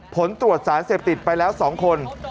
ผลตรวจสารเสพติดไปแล้ว๒คน